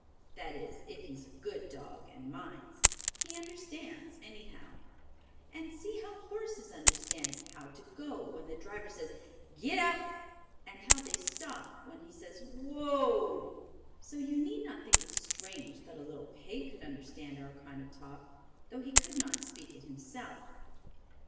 that is if he is a good dog, and minds? He understands, anyhow. And see how horses understand how to go when the driver says "Gid dap!" and how they stop when he says "Whoa!" So you need not think it strange that a little pig could understand our kind of talk, though he could not speak it himself.